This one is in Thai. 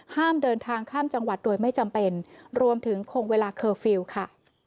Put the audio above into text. ห้ามเดินทางข้ามจังหวัดโดยไม่จำเป็นรวมถึงคงเวลาเคอร์ฟิลล์ค่ะ